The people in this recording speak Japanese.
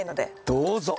どうぞ。